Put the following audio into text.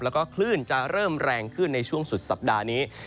แล้วก็คลื่นจะเริ่มแรงขึ้นในช่วงสุดสัปดาห์นี้